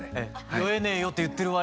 「酔えねぇよ！」って言ってる割には。